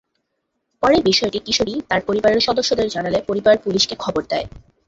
পরে বিষয়টি কিশোরী তার পরিবারের সদস্যদের জানালে পরিবার পুলিশকে খবর দেয়।